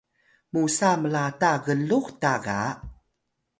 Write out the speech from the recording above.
musa mlata glux ta ga